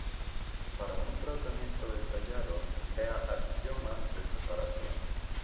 Para un tratamiento detallado, vea axioma de separación.